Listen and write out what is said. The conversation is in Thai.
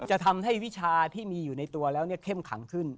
จะทำให้วิชาที่มีอยู่ในตัวแล้วเข้มขังขึ้น